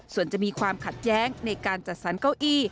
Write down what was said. ส่วนจะมีความขัดแย้งในการจัดสรรเก้าอี้